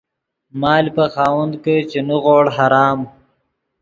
مال پے خاوند کہ چے نیغوڑ حرام